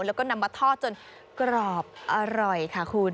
แล้วก็นำมาทอดจนกรอบอร่อยค่ะคุณ